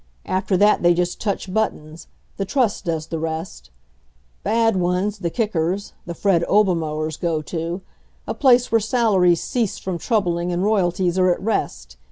After that they just touch buttons; the Trust does the rest. Bad ones the kickers the Fred Obermullers go to a place where salaries cease from troubling and royalties are at rest.